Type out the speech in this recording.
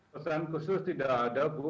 pesan khusus tidak ada bu